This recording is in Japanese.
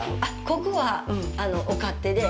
ここはお勝手で。